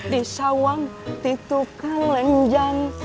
disawang ditukang lenjang